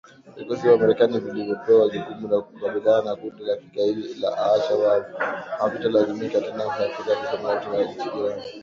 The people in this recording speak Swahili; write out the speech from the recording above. Vikosi vya Marekani vilivyopewa jukumu la kukabiliana na kundi la kigaidi la al-Shabab havitalazimika tena kusafiri hadi Somalia kutoka nchi jirani